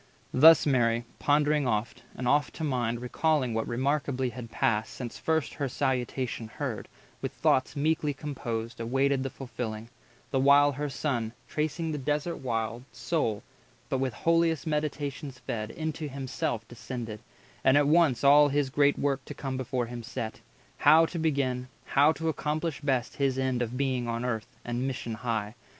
Thus Mary, pondering oft, and oft to mind Recalling what remarkably had passed Since first her Salutation heard, with thoughts Meekly composed awaited the fulfilling: The while her Son, tracing the desert wild, Sole, but with holiest meditations fed, 110 Into himself descended, and at once All his great work to come before him set— How to begin, how to accomplish best His end of being on Earth, and mission high.